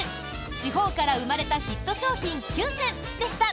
地方から生まれたヒット商品９選でした。